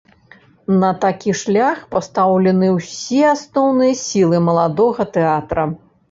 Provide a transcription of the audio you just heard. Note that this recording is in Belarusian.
На такі шлях пастаўлены ўсе асноўныя сілы маладога тэатра.